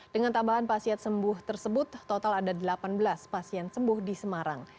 dengan tambahan pasien sembuh tersebut total ada delapan belas pasien sembuh di semarang